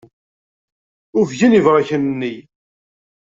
Ufgen yebṛiken-nni.